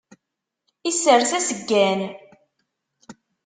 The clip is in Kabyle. Isers aseggan.